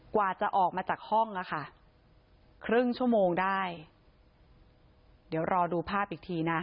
กว่าจะออกมาจากห้องอ่ะค่ะครึ่งชั่วโมงได้เดี๋ยวรอดูภาพอีกทีนะ